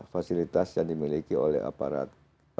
fasilitas yang dimiliki oleh aparat